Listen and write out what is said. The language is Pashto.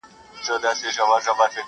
بل وايي موږ خپل درد لرو او څوک نه پوهېږي